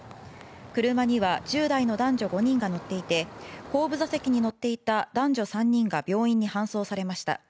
車には１０代の男女５人が乗っていて後部座席に乗っていた男女３人が病院に搬送されました。